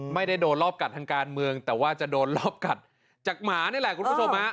ไม่ได้โดนรอบกัดทางการเมืองแต่ว่าจะโดนรอบกัดจากหมานี่แหละคุณผู้ชมฮะ